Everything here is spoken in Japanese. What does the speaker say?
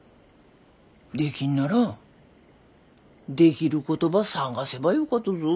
できんならできることば探せばよかとぞ。